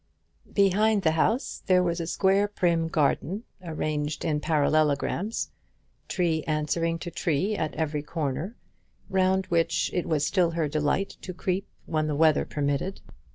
Behind the house there was a square prim garden, arranged in parallelograms, tree answering to tree at every corner, round which it was still her delight to creep when the weather permitted.